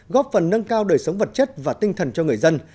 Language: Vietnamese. góp phần nâng cao đời sống vật chất và tinh thần cho người dân